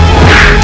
aku akan menang